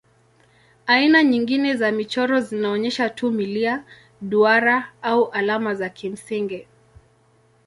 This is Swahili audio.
Aina nyingine za michoro zinaonyesha tu milia, duara au alama za kimsingi.